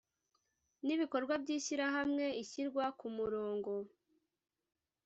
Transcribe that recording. n ibikorwa by ishyirahamwe ishyirwa k umurongo